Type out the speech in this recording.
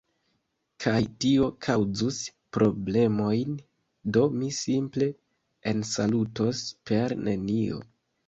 Kaj tio kaŭzus problemojn do mi simple ensalutos per nenio.